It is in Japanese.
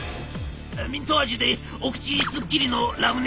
ミント味でお口スッキリのラムネ！」。